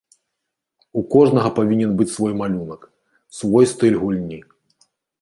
У кожнага павінен быць свой малюнак, свой стыль гульні.